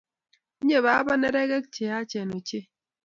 Tinyei baba neregek cheyachen ochei